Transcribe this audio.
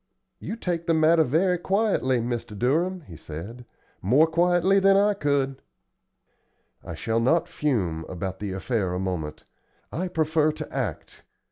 "You take the matter very quietly, Mr. Durham;" he said; "more quietly than I could." "I shall not fume about the affair a moment. I prefer to act.